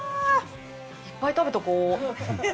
いっぱい食べとこう。